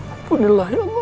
ampunilah ya allah